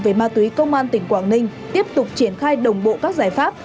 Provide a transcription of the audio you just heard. về ma túy công an tỉnh quảng ninh tiếp tục triển khai đồng bộ các giải pháp